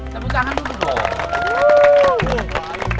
tepuk tangan dulu dong